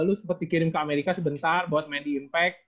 lu sempet dikirim ke amerika sebentar buat main di impact